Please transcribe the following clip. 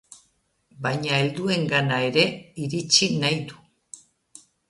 Baina helduengana ere iritsi nahi du.